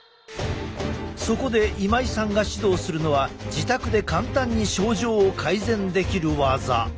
そこで今井さんが指導するのは自宅で簡単に症状を改善できる技。